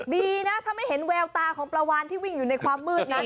ดีนะถ้าไม่เห็นแววตาของปลาวานที่วิ่งอยู่ในความมืดนั้น